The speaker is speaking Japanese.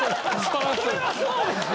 それはそうですよ。